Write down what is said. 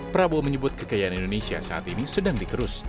prabowo menyebut kekayaan indonesia saat ini sedang dikerus